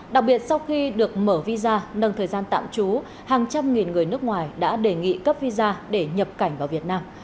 đặc biệt sau khi được mở visa nâng thời gian tạm trú hàng trăm nghìn người nước ngoài đã đề nghị cấp visa để nhập cảnh vào việt nam